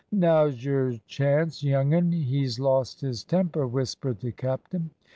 "Now's your chance, young 'un; he's lost his temper," whispered the captain.